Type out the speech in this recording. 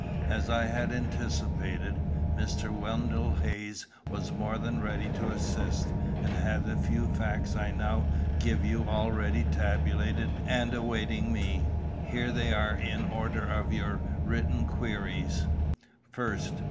As I had anticipated, Mr. Wendell Haynes was more than ready to assist, and had the few facts I now give you already tabulated and awaiting me. Here they are in the order of your written queries: "1st.